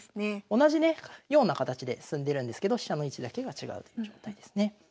同じねような形で進んでるんですけど飛車の位置だけが違うという状態ですね。